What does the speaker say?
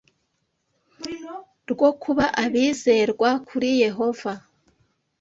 rwo kuba abizerwa kuri Yehova